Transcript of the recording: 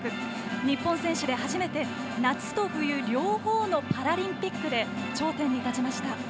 日本選手で初めて夏と冬両方のパラリンピックで頂点に立ちました。